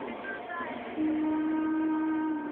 二磷酸腺苷与钙离子是酶的变构增活因子。